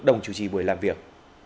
đồng chủ trì buổi làm việc